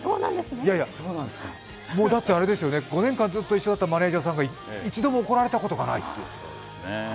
だって、５年間ずっと一緒だったマネージャーさんが一度も怒られたことがないという。